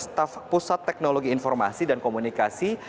staff pusat teknologi informasi dan komunikasi